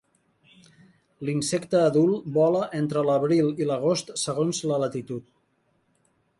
L'insecte adult vola entre l'abril i l'agost segons la latitud.